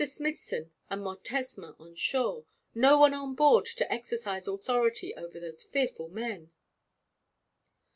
Smithson and Montesma on shore no one on board to exercise authority over those fearful men.